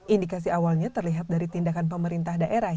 indikasi awalnya terlihat dari tindakan pemerintah daerah